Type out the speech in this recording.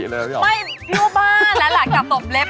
พี่บ้าและหลายกลับโต่มเล็บ